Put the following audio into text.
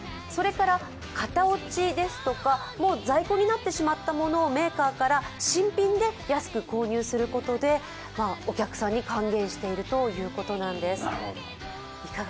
それから型落ちですとか、もう在庫になってしまったものをメーカーから新品で安く購入することでお客さんに還元しているということなんです。